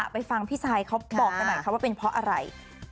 ไปฟังพี่ซายเขาบอกกันหน่อยค่ะว่าเป็นเพราะอะไร